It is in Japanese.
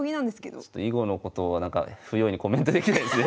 ちょっと囲碁のことは不用意にコメントできないですね